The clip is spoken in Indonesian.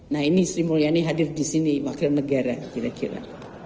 nah ini sri mulyani hadir di sini wakil negara kira kira